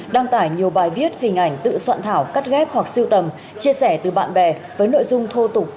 đăng tải nhiều bài viết hình ảnh tự soạn thảo cắt ghép hoặc siêu tầm chia sẻ từ bạn bè với nội dung thô tục